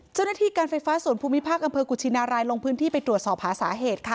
เจ้าหน้าที่การไฟฟ้าส่วนภูมิภาคอำเภอกุชินารายลงพื้นที่ไปตรวจสอบหาสาเหตุค่ะ